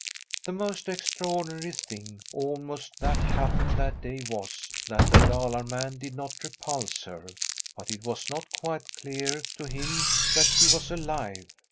The most extraordinary thing, almost, that happened that day was, that the Dalar man did not repulse her. But it was not quite clear to him that she was alive.